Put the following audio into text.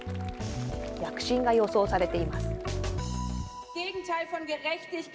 躍進が予想されています。